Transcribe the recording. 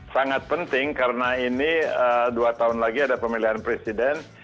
sangat penting karena ini dua tahun lagi ada pemilihan presiden